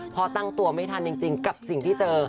พอตั้งตัวไม่ทันจริงกับสิ่งที่เจอ